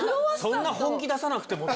そんな本気出さなくてもって。